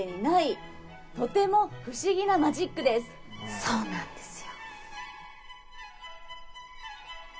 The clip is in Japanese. そうなんですよ。